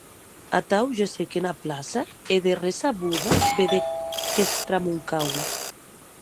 Atau gessec ena plaça e de ressabuda vedec qu'estramuncaue.